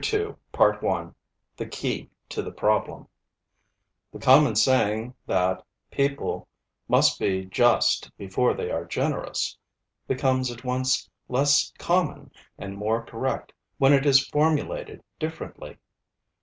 CHAPTER II THE KEY TO THE PROBLEM The common saying, that 'people must be just before they are generous,' becomes at once less common and more correct when it is formulated differently.